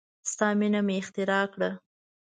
ستا مینه مې اختراع کړه